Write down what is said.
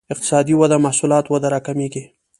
اقتصادي وده محصولات وده راکمېږي.